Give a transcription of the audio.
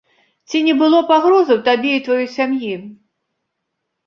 Ці не было пагрозаў табе і тваёй сям'і?